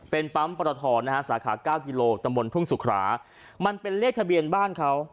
เป็นปั๊มปรทนะฮะสาขาเก้ากิโลตำบลทุ่งสุขรามันเป็นเลขทะเบียนบ้านเขา